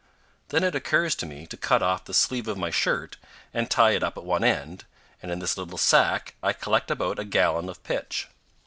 Then it occurs to me to cut off the sleeve of my shirt and tie it up at one end, and in this little sack I collect about a gallon of pitch.